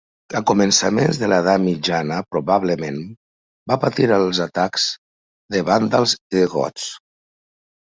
A començaments de l'edat mitjana probablement va patir els atacs de vàndals i de gots.